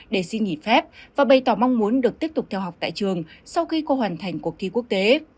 để xin nghỉ phép và bày tỏ mong muốn được tiếp tục theo học tại trường sau khi cô hoàn thành cuộc thi quốc tế